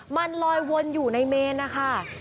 มันลอยวนอยู่ในเมนนะคะ